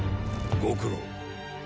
ご苦労。